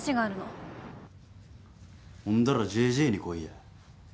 ほんだらＪＪに来いや。